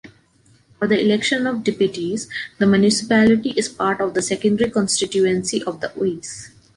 For the election of deputies, the municipality is part of the second constituency of the Oise.